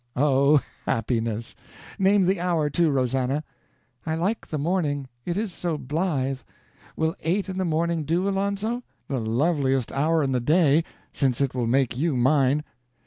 "Oh, happiness! Name the hour, too, Rosannah." "I like the morning, it is so blithe. Will eight in the morning do, Alonzo?" "The loveliest hour in the day since it will make you mine."